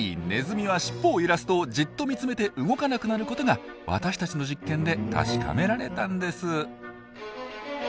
ネズミはしっぽを揺らすとじっと見つめて動かなくなることが私たちの実験で確かめられたんです。